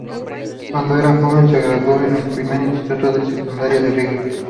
Cuando era joven se graduó en el primer instituto de secundaria de Riga.